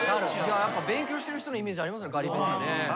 勉強してる人のイメージありますねガリ勉ってね。